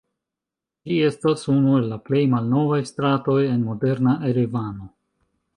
Ĝi estas unu el la plej malnovaj stratoj en moderna Erevano.